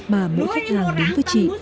mà mỗi khách hàng đến với chị